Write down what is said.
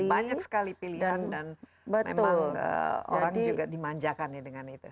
banyak sekali pilihan dan memang orang juga dimanjakan ya dengan itu